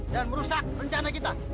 dan merusak rencana kita